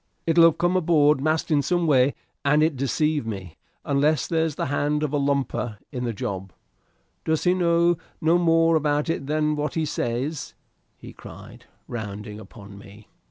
"It'll have come aboard masked in some way, and it deceived me. Unless there's the hand of a lumper in the job does he know no more about it than what he says?" he cried, rounding upon me.